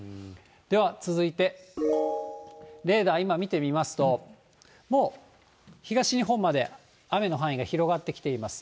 では続いて、レーダー、今、見てみますと、もう東日本まで雨の範囲が広がってきています。